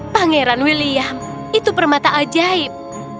pangeran william itu permata ajaib